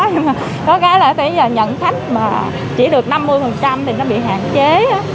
nhưng mà có cái là tự nhiên là nhận khách mà chỉ được năm mươi thì nó bị hạn chế